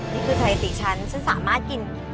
นี่คือใจอิติฉันฉันสามารถกิน